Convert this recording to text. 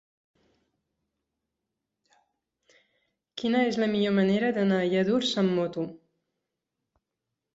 Quina és la millor manera d'anar a Lladurs amb moto?